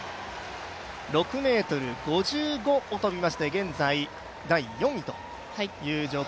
６ｍ５５を跳びまして現在、第４位という状況。